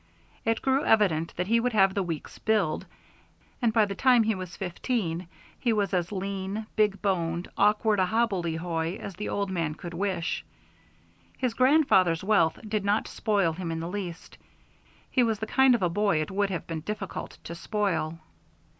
It grew evident that he would have the Weeks build, and, by the time he was fifteen, he was as lean, big boned, awkward a hobbledehoy as the old man could wish. His grandfather's wealth did not spoil him in the least; he was the kind of a boy it would have been difficult to spoil.